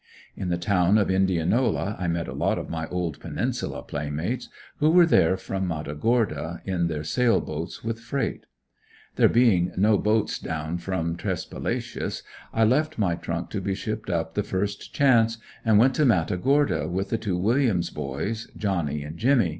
In the town of Indianola I met a lot of my old Peninsula playmates, who were there from Matagorda, in their sail boats, with freight. There being no boats down from Tresspalacious, I left my trunk to be shipped up the first chance and went to Matagorda with the two Williams' boys, Johnny and Jimmy.